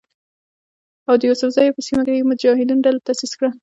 او د یوسفزیو په سیمه کې یې د مجاهدینو ډله تاسیس کړه.